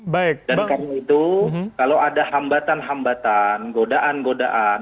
dan karena itu kalau ada hambatan hambatan godaan godaan